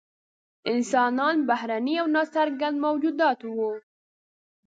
انسانان بهرني او نا څرګند موجودات وو.